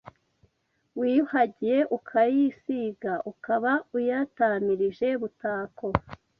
Wiyuhagiye ukayisiga Ukaba uyatamiirje butako